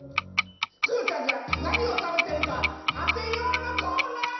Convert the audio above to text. クヨちゃんがなにをたべてるかあてようのコーナー！